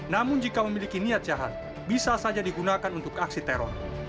namun jika memiliki niat jahat bisa saja digunakan untuk aksi teror